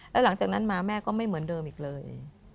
แล้วหลังจากนั้นมาแม่ก็ไม่เหมือนเดิมอีกเลย